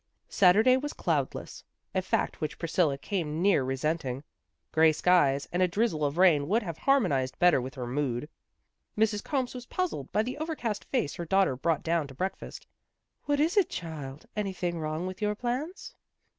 Saturday was cloudless, a fact which Pris cilla came near resenting. Grey skies and a drizzle of rain would have harmonized better with her mood. Mrs. Combs was puzzled by the overcast face her daughter brought down to breakfast. " What is it, child? Anything wrong with your plans?